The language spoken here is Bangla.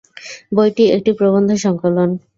বইটি একটি প্রবন্ধ সংকলন।